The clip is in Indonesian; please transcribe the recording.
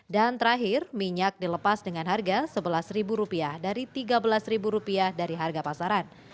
dan terakhir minyak dilepas dengan harga rp sebelas dari rp tiga belas dari harga pasaran